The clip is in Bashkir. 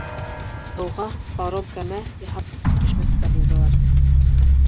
Һыуға паром-кәмә яһап төшмәҫкә булдылар.